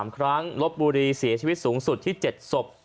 ๓ครั้งลบบุรีเสียชีวิตสูงสุดที่๗ศพ